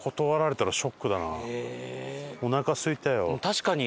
確かに。